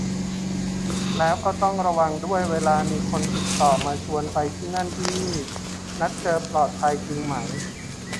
และก็ต้องระวังด้วยเวลามีคนติดต่อมาชวนไปที่นั่นที่นี่ นัดเจอ ปลอดภัยจริงไหม